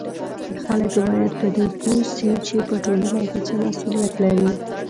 خلک باید په دې پوه سي چې په ټولنه کې څه مسولیت لري